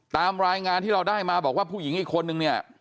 ตามรายงานที่เราได้มาบอกว่าผู้หญิงอีกคนนึงเนี่ย